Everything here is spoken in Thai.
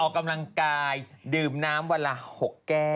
ออกกำลังกายดื่มน้ำวันละ๖แก้ว